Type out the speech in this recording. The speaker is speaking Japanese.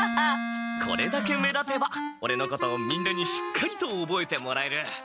これだけ目立てばオレのことをみんなにしっかりとおぼえてもらえる。